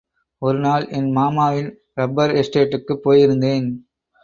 ஒருநாள் என் மாமாவின் ரப்பர் எஸ்டேட்டுக்குப் போயிருந்தேன்.